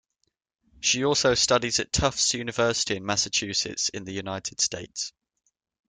She also studied at Tufts University in Massachusetts in the United States.